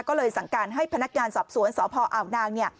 ก็เลยสั่งการให้พนักงานสอบสวนสพอ่าวนาง